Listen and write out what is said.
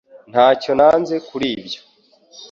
Ntacyo nanze kuri ibyo